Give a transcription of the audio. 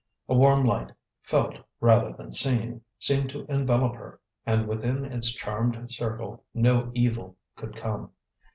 A warm light, felt rather than seen, seemed to envelop her, and within its charmed circle no evil could come.